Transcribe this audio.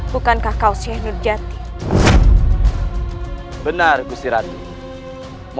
dan aku akan membunuh ratu sekarwangi